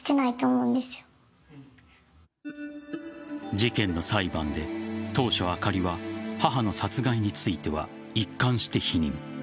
事件の裁判で当初、あかりは母の殺害については一貫して否認。